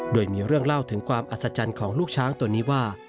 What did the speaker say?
โดยมีเรื่องเล่าถึงความอัศจรรย์ของลูกช้างตัวนี้ว่า